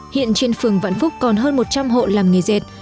hiện trên phường vạn phúc còn hơn một trăm linh hộ làm nghề dệt